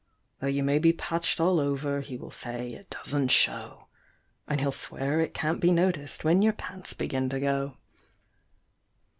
Though you may be patched all over he will say it doesn't show, And he'll swear it can't be noticed when your pants begin to go.